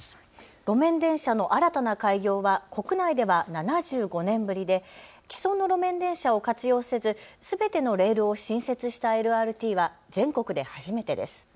路面電車の新たな開業は国内では７５年ぶりで既存の路面電車を活用せずすべてのレールを新設したＬＲＴは全国で初めてです。